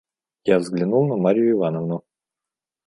Я взглянул на Марью Ивановну.